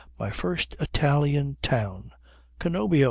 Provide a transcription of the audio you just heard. My first Italian town Cannobio...."